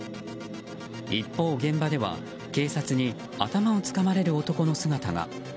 一方、現場では警察に頭をつかまれる男の姿が。